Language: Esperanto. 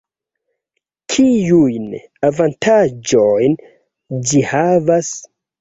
Kiujn avantaĝojn ĝi havas?